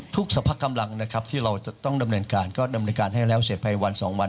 สรรพกำลังนะครับที่เราจะต้องดำเนินการก็ดำเนินการให้แล้วเสร็จภายวัน๒วัน